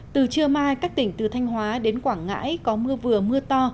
từ trưa mai các tỉnh từ thanh hóa đến quảng ngãi có mưa vừa mưa to